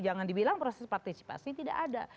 jangan dibilang proses partisipasi tidak ada